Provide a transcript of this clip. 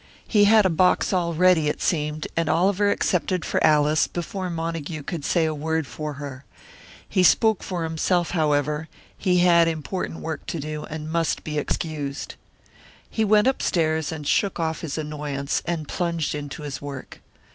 He had a box all ready, it seemed, and Oliver accepted for Alice before Montague could say a word for her. He spoke for himself, however, he had important work to do, and must be excused. He went upstairs and shook off his annoyance and plunged into his work.